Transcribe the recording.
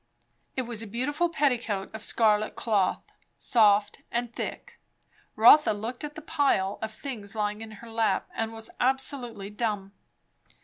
It was a beautiful petticoat of scarlet cloth; soft and thick. Rotha looked at the pile of things lying on her lap, and was absolutely dumb.